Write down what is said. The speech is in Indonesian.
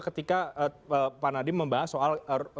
ketika pak nadiem membahas soal